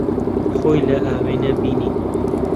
خۆی لە ئاوێنە بینی.